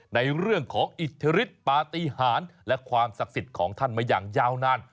ในเรื่องของอิทธิฤทธิปาติหารและความศักดิ์สิทธิ์ของท่านมาอย่างยาวนาน